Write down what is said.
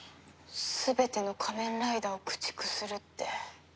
「全ての仮面ライダーを駆逐する」って。